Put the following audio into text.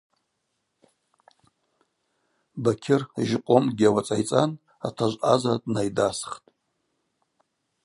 Бакьыр жькъомкӏгьи ауацӏайцӏан атажв ъаза днайдасхтӏ.